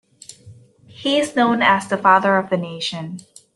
He is known as the "Father of the Nation".